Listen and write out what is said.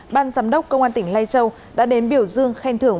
ban giám đốc công an tỉnh lai châu đã đến biểu dương khen thưởng